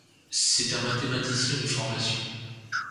C'est un mathématicien de formation.